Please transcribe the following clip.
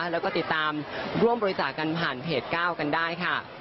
แล้วก็ติดตามร่วมบริจาคกันผ่านเพจ๙กันได้ค่ะ